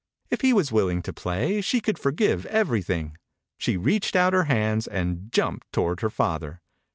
If he was willing to play she could forgive every thing. She reached out her hands, and jumped toward her father.